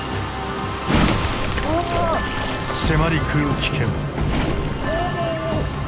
迫りくる危険。